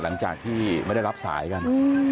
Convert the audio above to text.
หลังจากที่ไม่ได้รับสายกัน